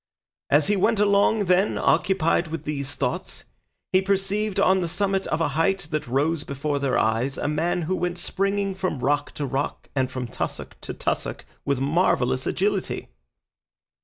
As he went along, then, occupied with these thoughts, he perceived on the summit of a height that rose before their eyes a man who went springing from rock to rock and from tussock to tussock with marvellous agility.